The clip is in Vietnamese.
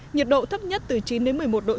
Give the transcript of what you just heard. nhiệt độ thấp nhất từ chín đến một mươi một độ c